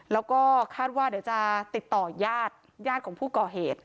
แล้วก็คาดว่าเดี๋ยวจะติดต่อยาดญาติของผู้ก่อเหตุ